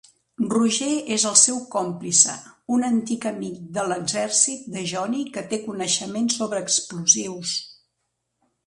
Roger és el seu còmplice, un antic amic de l'exèrcit de Johnny que té coneixement sobre explosius.